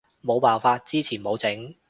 冇辦法，之前冇整